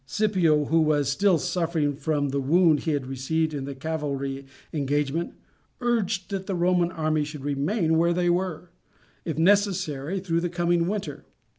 Scipio, who was still suffering from the wound he had received in the cavalry engagement, urged that the Roman army should remain where they were, if necessary, through the coming winter.